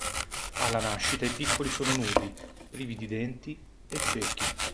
Alla nascita i piccoli sono nudi, privi di denti e ciechi.